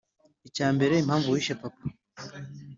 icyambere impamvu wishe papa?